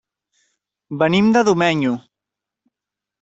Venim de Domenyo.